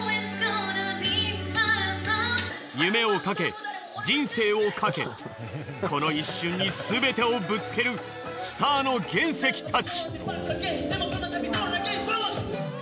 夢をかけ人生をかけこの一瞬にすべてをぶつけるスターの原石たち。